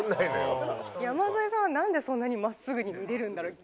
山添さんはなんでそんなに真っすぐに見れるんだろう？